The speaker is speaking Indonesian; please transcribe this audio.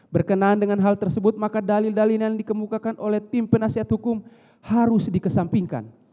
berkenaan dengan hal tersebut maka dalil dalil yang dikemukakan oleh tim penasihat hukum harus dikesampingkan